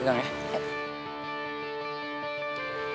ya udah deh ikutin